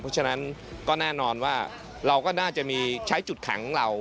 เพราะฉะนั้นก็แน่นอนว่าเราก็น่าจะมีใช้จุดขังของเรา